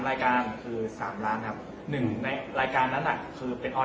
แล้วก็พอเล่ากับเขาก็คอยจับอย่างนี้ครับ